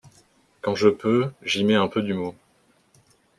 Quand je peux, j’y mets un peu d’humour.